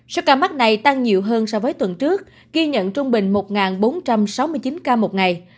số ca mắc này tăng nhiều hơn so với tuần trước ghi nhận trung bình một bốn trăm sáu mươi chín ca một ngày